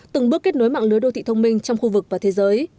từng bước kết nối mạng lưới đô thị thông minh trong khu vực và thế giới